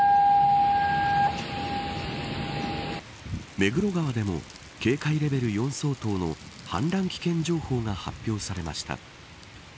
目黒川でも警戒レベル４相当の氾濫危険情報が発表されました。